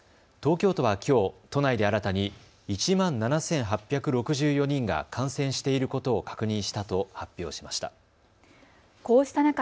東京都はきょう都内で新たに１万７８６４人が感染していることを確認したと発表しました。